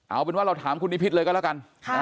เอาเป็นว่าเราถามคุณนิพิษเลยก็แล้วกัน